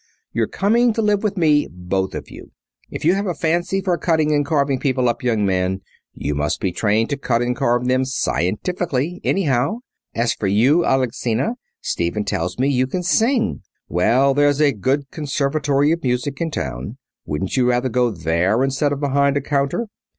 You're coming to live with me, both of you. If you have a fancy for cutting and carving people up, young man, you must be trained to cut and carve them scientifically, anyhow. As for you, Alexina, Stephen tells me you can sing. Well, there's a good Conservatory of Music in town. Wouldn't you rather go there instead of behind a counter?"